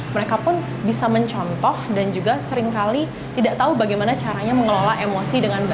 mereka pun bisa mencontoh dan juga seringkali tidak tahu bagaimana caranya mengelola emosi dengan baik